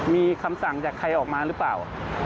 มีคำสั่งจากใครออกมาหรือเปล่า